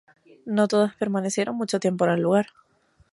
No todos permanecieron mucho tiempo en el lugar.